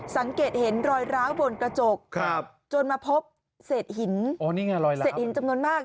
สังเกตเห็นรอยร้าวบนกระจกจนมาพบเศษหินเศษหินจำนวนมาก